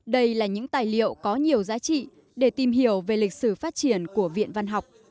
đây là những tài liệu có nhiều giá trị để tìm hiểu về lịch sử phát triển của viện văn học